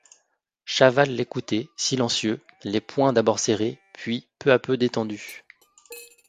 Chaval l’écoutait, silencieux, les poings d’abord serrés, puis peu à peu détendus.